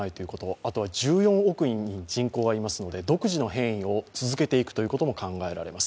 あとは１４億人人口がいますので独自の変異を続けていくということもいわれています。